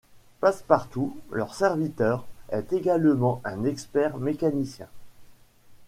Passepartout, leur serviteur, est également un expert mécanicien.